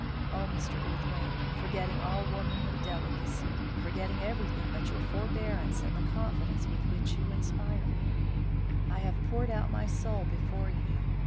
Oh, Mr. Outhwaite, forgetting all womanly delicacy, forgetting everything but your forbearance and the confidence with which you inspire me, I have poured out my soul before you.